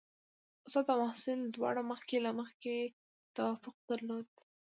استاد او محصل دواړو مخکې له مخکې توافق درلود.